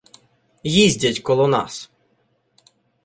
їздять коло нас.